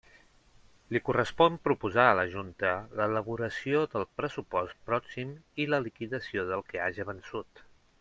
Li correspon proposar a la Junta l'elaboració del pressupost pròxim i la liquidació del que haja vençut.